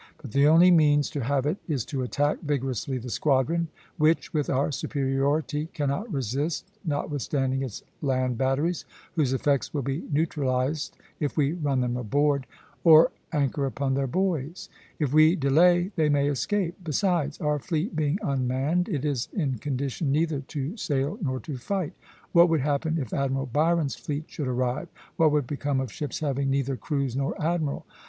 But the only means to have it is to attack vigorously the squadron, which, with our superiority, cannot resist, notwithstanding its land batteries, whose effects will be neutralized if we run them aboard, or anchor upon their buoys. If we delay, they may escape.... Besides, our fleet being unmanned, it is in condition neither to sail nor to fight. What would happen if Admiral Byron's fleet should arrive? What would become of ships having neither crews nor admiral?